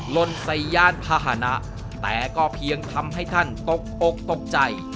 ลนใส่ยานพาหนะแต่ก็เพียงทำให้ท่านตกอกตกใจ